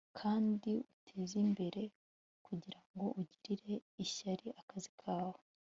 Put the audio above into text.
kandi utezimbere kugirango ugirire ishyari akazi kawe